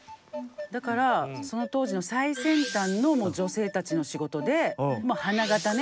だからその当時の最先端の女性たちの仕事でもう花形ね。